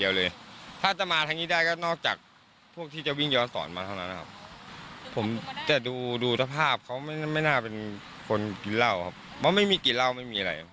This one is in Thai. ว่าไม่มีกลิ่นเหล้าไม่มีอะไร